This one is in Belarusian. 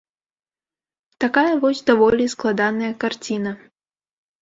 Такая вось даволі складаная карціна.